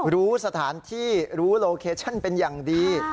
รู้สถานที่รู้โลเคชั่นเป็นอย่างดี